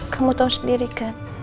kamu tau sendiri kan